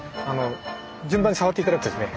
順番に触って頂くとですね